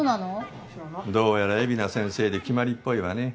どうやら海老名先生で決まりっぽいわね。